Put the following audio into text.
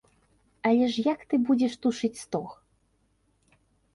Але ж як ты будзеш тушыць стог?